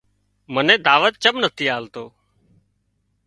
منين دعوت چم نٿي آلتو